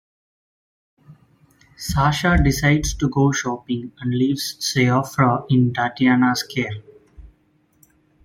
Sasha decides to go shopping and leaves Sioffra in Tatiana's care.